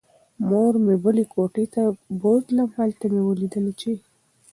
مور مې بلې کوټې ته بوتلم. هلته مې ولیدله چې